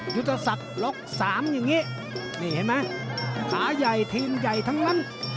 ยุทธศักดิ์ล็อก๓อย่างนี้นี่เห็นไหมขาใหญ่ทีมใหญ่ทั้งนั้น